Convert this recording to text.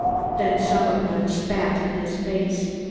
Then some of them spat in his face.